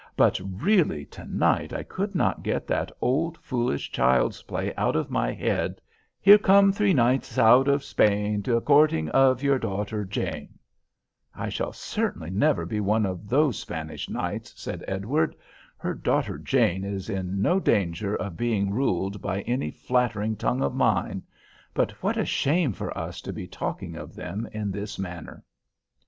But really to night I could not get that old foolish child's play out of my head— Here come three knights out of Spain A courting of your daughter Jane." "I shall certainly never be one of those Spanish knights," said Edward. "Her daughter Jane is in no danger of being ruled by any 'flattering tongue' of mine. But what a shame for us to be talking of them in this manner."